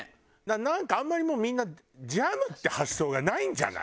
なんかあんまりもうみんなジャムって発想がないんじゃない？